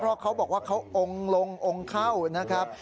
เพราะเขาบอกว่าเขาองค์ลงองค์เข้านะครับ